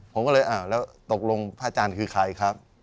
ผมก็เลยอ้าวแล้วตกลงพระอาจารย์คือใครครับ